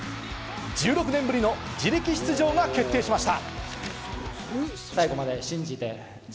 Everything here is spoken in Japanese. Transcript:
１６年ぶりの自力出場が決定しました。